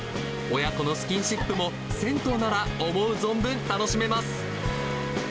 親子のスキンシップも、銭湯なら思う存分楽しめます。